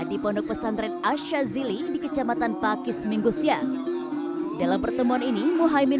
di pondok pesantren asyazili di kecamatan pakis minggu siang dalam pertemuan ini muhaymin